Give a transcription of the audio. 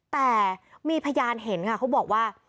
แต่มีพยานเห็นค่ะเขาบอกว่า